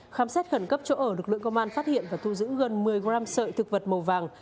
khám xét khẩn cấp chỗ ở lực lượng công an phát hiện và thu giữ gần một mươi gram sợi thực vật màu vàng